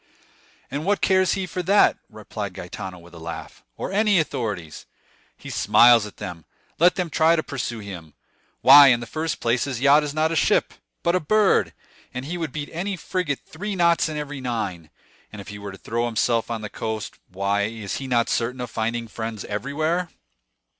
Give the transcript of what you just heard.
"And what cares he for that," replied Gaetano with a laugh, "or any authorities? He smiles at them. Let them try to pursue him! Why, in the first place, his yacht is not a ship, but a bird, and he would beat any frigate three knots in every nine; and if he were to throw himself on the coast, why, is he not certain of finding friends everywhere?"